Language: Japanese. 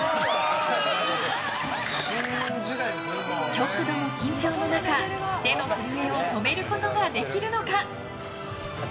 極度の緊張の中手の震えを止めることができるのか？